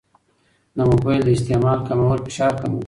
د موبایل د استعمال کمول فشار کموي.